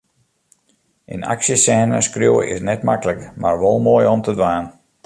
In aksjesêne skriuwe is net maklik, mar wol moai om te dwaan.